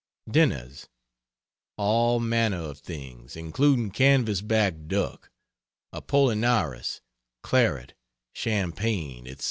Dinners all manner of things, including canvas back duck, apollinaris, claret, champagne, etc.